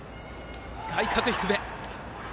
外角低め。